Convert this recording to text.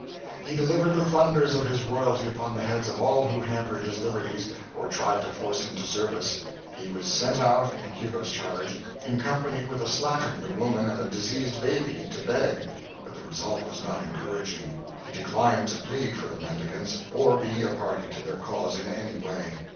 He delivered the thunders of his royalty upon the heads of all who hampered his liberties or tried to force him to service. He was sent out, in Hugo's charge, in company with a slatternly woman and a diseased baby, to beg; but the result was not encouraging he declined to plead for the mendicants, or be a party to their cause in any way.